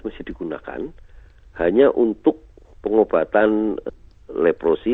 masih digunakan hanya untuk pengobatan leprosi